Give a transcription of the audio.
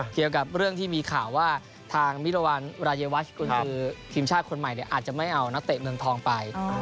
เกี่ยวกับเรื่องที่มีข่าวว่าทางมิรวรรณรายวัชกุญสือทีมชาติคนใหม่อาจจะไม่เอานักเตะเมืองทองไป